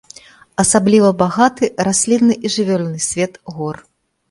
Асабліва багаты раслінны і жывёльны свет гор.